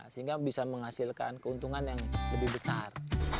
sehingga bisa menghasilkan keuntungan yang lebih besar